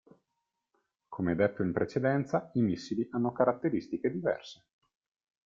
Come detto in precedenza, i missili hanno caratteristiche diverse.